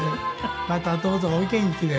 またどうぞお元気で。